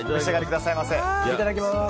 いただきます！